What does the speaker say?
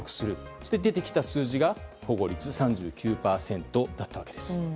そして出てきた数字が保護率３９％だったわけです。